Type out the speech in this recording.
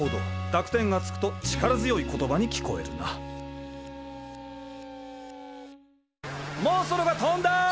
濁点がつくと力強い言葉に聞こえるなモンストロが飛んだ！